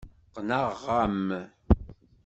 Qqneɣ-am.